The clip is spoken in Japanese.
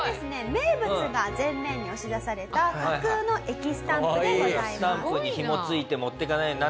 名物が全面に押し出された架空の駅スタンプでございます。